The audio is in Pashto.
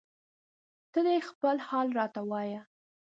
ته دې خپل حال راته وایه